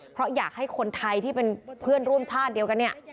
เพราะอยากให้คนไทยที่เป็นเพื่อนร่วมชาติเดียวกันเนี่ย